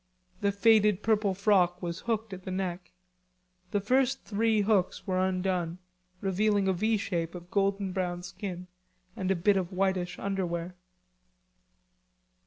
The faded purple frock was hooked at the neck. The first three hooks were undone revealing a V shape of golden brown skin and a bit of whitish underwear.